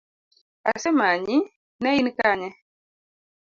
Asemanyi, ne in Kanye?